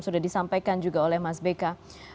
sudah disampaikan juga oleh mas beka